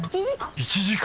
１時間！？